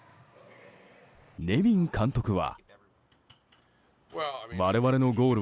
ネビン監督は。